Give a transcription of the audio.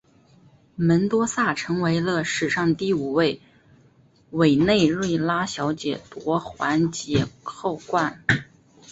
门多萨成为了史上第五位委内瑞拉小姐夺环姐后冠。